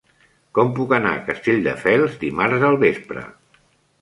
Com puc anar a Castelldefels dimarts al vespre?